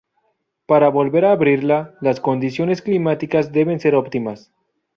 Para volver a abrirla, las condiciones climáticas deben ser óptimas.